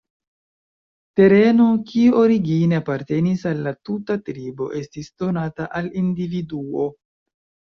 Tereno, kiu origine apartenis al la tuta tribo, estis donata al individuo.